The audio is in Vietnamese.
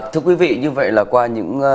thưa quý vị như vậy là qua những